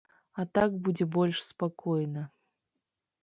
А так будзе больш спакойна.